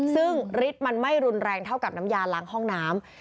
ซึ่งฤทธิ์มันไม่รุนแรงเท่ากับน้ำยาล้างห้องน้ำ